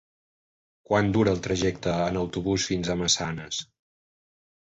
Quant dura el trajecte en autobús fins a Massanes?